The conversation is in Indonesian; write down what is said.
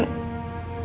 aku gak mau pindah